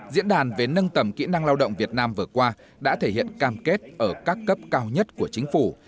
diễn đàn về nâng tầm kỹ năng lao động việt nam vừa qua đã thể hiện cam kết ở các cấp cao nhất của chính phủ